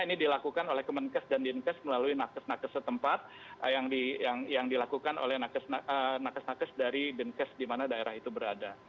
ini dilakukan oleh kemenkes dan dinkes melalui nakes nakes setempat yang dilakukan oleh nakes nakes dari dinkes di mana daerah itu berada